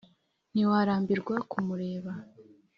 ntiwarambirwa kumureba,